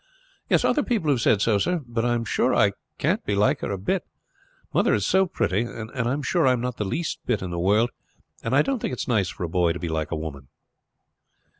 "Other people have said so, sir; but I am sure I can't see how I can be like her a bit. Mother is so pretty, and I am sure I am not the least bit in the world; and I don't think it's nice for a boy to be like a woman."